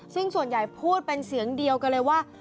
ซึ่งส่วนใหญ่พูดเป็นเสียงเดียวกันเลยว่า